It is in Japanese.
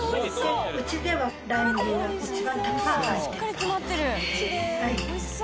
うちではライ麦が一番たくさん入ってるパンです。